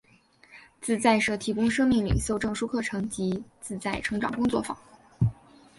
自在社提供生命领袖证书课程及自在成长工作坊。